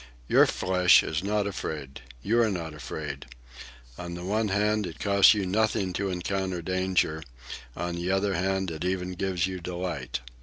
Your flesh is not afraid. You are not afraid. On the one hand, it costs you nothing to encounter danger; on the other hand, it even gives you delight.